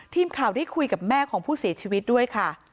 ทีมข่าวได้คุยกับแม่ของผู้เสียชีวิตด้วยค่ะ